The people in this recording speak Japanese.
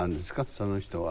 その人は。